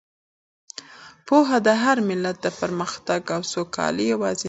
پوهه د هر ملت د پرمختګ او سوکالۍ یوازینۍ لاره ده.